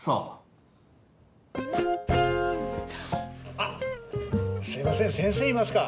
あっすいません先生いますか？